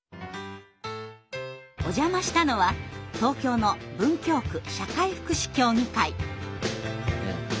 お邪魔したのは東京の文京区社会福祉協議会。